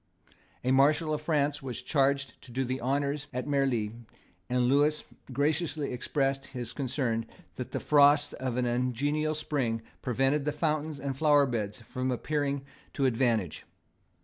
A Marshal of France was charged to do the honours of Marli; and Lewis graciously expressed his concern that the frosts of an ungenial spring prevented the fountains and flower beds from appearing to advantage.